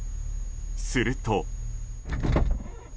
すると。